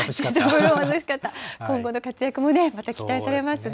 今後の活躍もまた期待されますね。